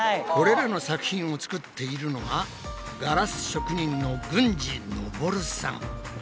これらの作品を作っているのがガラス職人の軍司昇さん。